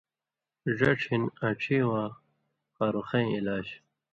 ڙڇھہۡ ہِن آنڇھی واں خارُخَیں علاج